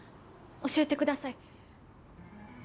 教えてください。